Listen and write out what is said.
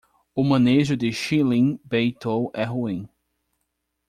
O manejo de Shihlin Beitou é ruim